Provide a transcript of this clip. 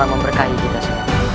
memberkahi kita semua